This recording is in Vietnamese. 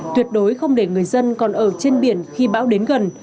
tuyệt đối không để người dân còn ở trên biển khi bão đến gần